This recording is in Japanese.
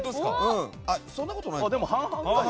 そんなことないのかな？